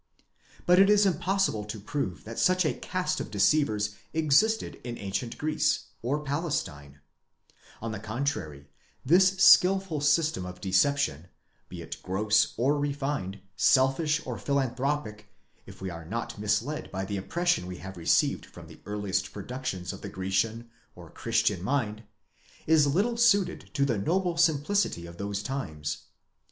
But it is impossible to prove that such a caste of deceivers existed in ancient Greece (or Palestine) ; on the contrary, this skilful system of deception, be it gross or refined, selfish or philanthropic, if we are not mis led by the impression we have received from the earliest productions of the Grecian (or Christian) mind, is little suited to the noble simplicity of those times.